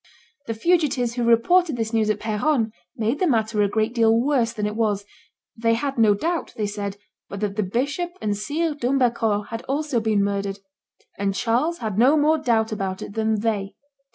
The fugitives who reported this news at Peronne made the matter a great deal worse than it was; they had no doubt, they said, but that the bishop and Sire d'Humbercourt had also been murdered; and Charles had no more doubt about it than they.